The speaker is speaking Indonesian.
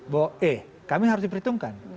bahwa eh kami harus diperhitungkan